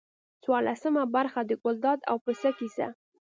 څوارلسمه برخه د ګلداد او پسه کیسه.